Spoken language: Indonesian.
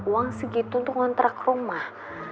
uang segitu untuk ngontrak rumah